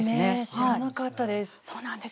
知らなかったです。